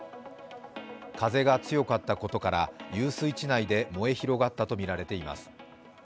風が強かったことから遊水地内で燃え広がったとみられています。